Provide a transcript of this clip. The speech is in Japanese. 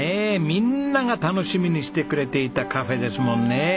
みんなが楽しみにしてくれていたカフェですもんね。